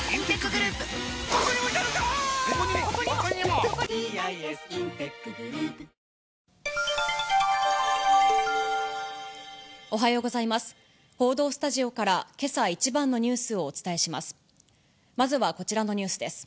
報道スタジオから、けさ一番のニュースをお伝えします。